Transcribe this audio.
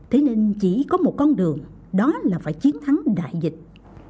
thế nên chỉ có một con đường đó là phải chiến thắng đại dịch